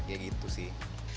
ya gitu sih